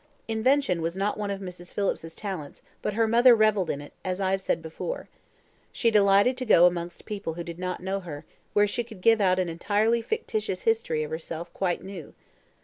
Invention was not one of Mrs. Phillips's talents, but her mother revelled in it, as I have said before. She delighted to go amongst people who did not know her, where she could give out an entirely fictitious history of herself quite new.